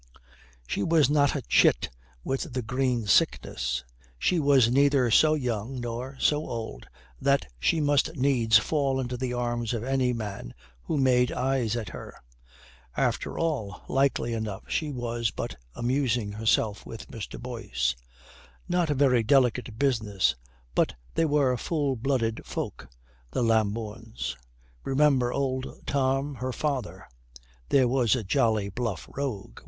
She was not a chit with the green sickness; she was neither so young nor so old that she must needs fall into the arms of any man who made eyes at her. After all, likely enough she was but amusing herself with Mr. Boyce. Not a very delicate business, but they were full blooded folk, the Lambournes. Remember old Tom, her father: there was a jolly bluff rogue.